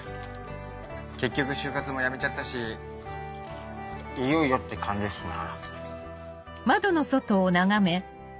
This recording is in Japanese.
結局就活もやめちゃったしいよいよって感じですな。